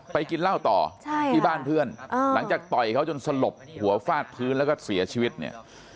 กินเหล้าต่อที่บ้านเพื่อนหลังจากต่อยเขาจนสลบหัวฟาดพื้นแล้วก็เสียชีวิตเนี่ย